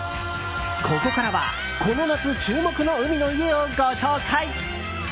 ここからはこの夏注目の海の家をご紹介。